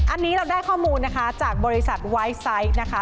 อันนี้เราได้ข้อมูลนะคะจากบริษัทไวท์ไซส์นะคะ